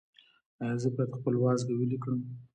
ایا زه باید خپل وازګه ویلې کړم؟